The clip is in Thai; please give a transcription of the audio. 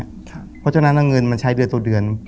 เพราะฉะนั้นเงินมันใช้เดือนต่อเดือน